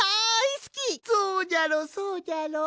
そうじゃろそうじゃろ？